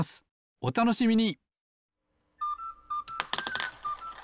おたのしみに！